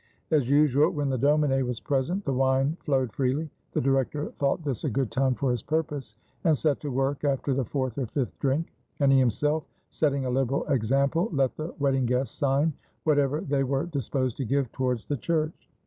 As usual when the domine was present, the wine flowed freely. "The Director thought this a good time for his purpose, and set to work after the fourth or fifth drink; and he himself setting a liberal example, let the wedding guests sign whatever they were disposed to give towards the church.